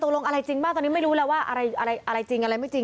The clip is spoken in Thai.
ลงอะไรจริงบ้างตอนนี้ไม่รู้แล้วว่าอะไรจริงอะไรไม่จริง